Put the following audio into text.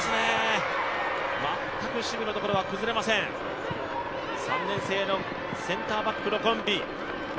全く守備のところが崩れません３年生のセンターバックのコンビ。